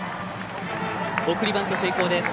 送りバント成功。